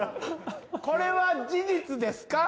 これは事実ですか？